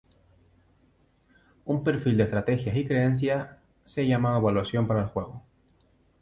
Un perfil de estrategias y creencias se llama una evaluación para el juego.